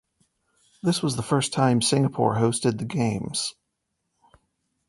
This was the first time Singapore hosted the games.